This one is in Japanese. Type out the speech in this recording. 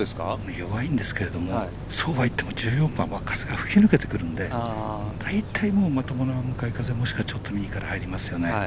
弱いんですけどそうはいっても１４番は風が吹きぬけてくるのでだいたい、まともな向かい風もしくはちょっと右から入りますよね。